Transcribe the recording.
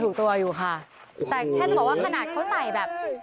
แต่แทนจะบอกว่าขนาดเขาใส่แบบ